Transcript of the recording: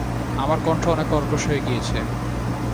আমার কণ্ঠ অনেক কর্কশ হয়ে গিয়েছে।